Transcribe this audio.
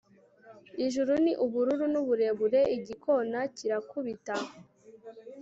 Ijuru ni ubururu nuburebure Igikona kirakubita